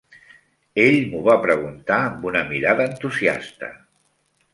ell m'ho va preguntar amb una mirada entusiasta.